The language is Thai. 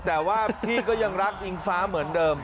แต่ว่าพี่ก็ยังรักอิงฟ้าเหมือนเดิม